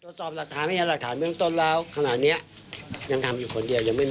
ก็ไม่รู้เรื่องมันคบกันได้ประมาณ๑๐วัน